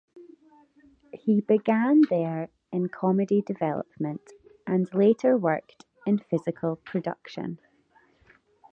He began there in comedy development and later worked in physical production.